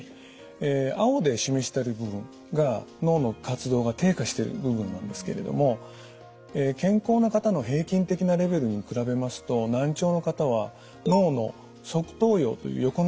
青で示してる部分が脳の活動が低下してる部分なんですけれども健康な方の平均的なレベルに比べますと難聴の方は脳の側頭葉という横の部分ですね。